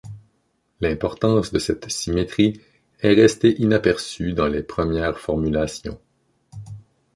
L'importance de cette symétrie est resté inaperçue dans les premières formulations.